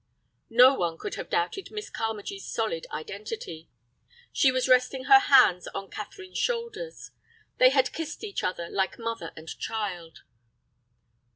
No one could have doubted Miss Carmagee's solid identity. She was resting her hands on Catherine's shoulders. They had kissed each other like mother and child.